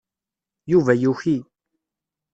Yuba yuki.